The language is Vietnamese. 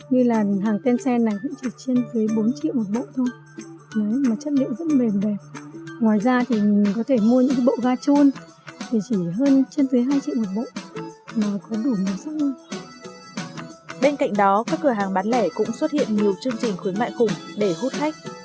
bên cạnh đó các cửa hàng bán lẻ cũng xuất hiện nhiều chương trình khuyến mại khủng để hút khách